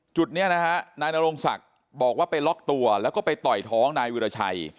จุดนี้นะฮะนายนโรงศักดิ์บอกว่าไปล็อกตัวแล้วก็ไปต่อยท้องนายวิราชัย